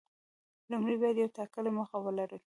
لومړی باید یوه ټاکلې موخه ولري.